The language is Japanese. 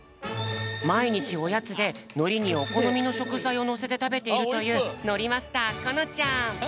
まいにちおやつでのりにおこのみのしょくざいをのせてたべているというのりマスターこのちゃん。